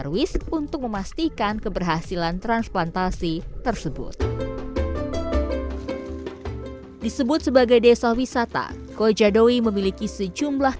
saya hanya ingin mewawancari jika anda terdengar dalam video inistllers yang cukup tersemetikan dan dengan karya perempuan ini aingnya percaya dapat untuk memperbaikinya semula ya